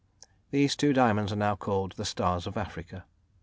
These two diamonds are now called "The Stars of Africa."